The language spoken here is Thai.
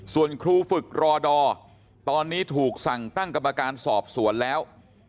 ส่วนครูฝึกรอดอตอนนี้ถูกสั่งตั้งกรรมการสอบสวนแล้ว